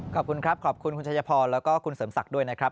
ขอบคุณครับขอบคุณคุณชายพรแล้วก็คุณเสริมศักดิ์ด้วยนะครับ